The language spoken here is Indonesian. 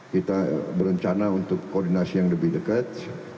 kita berencana untuk koordinasi yang lebih dekat